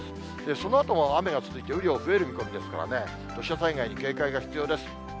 そのあとも雨が続いて、雨量増える見込みですからね、土砂災害に警戒が必要です。